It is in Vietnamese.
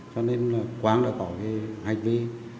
cho nên quang đã tỏ hành vi